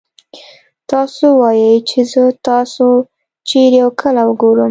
تاسو ووايئ چې زه تاسو چېرې او کله وګورم.